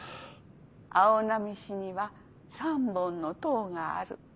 「青波市には３本の塔がある」。